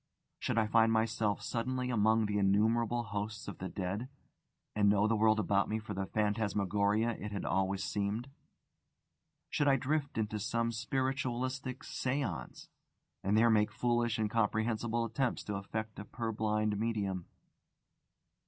Should I find myself suddenly among the innumerable hosts of the dead, and know the world about me for the phantasmagoria it had always seemed? Should I drift to some spiritualistic séance, and there make foolish, incomprehensible attempts to affect a purblind medium?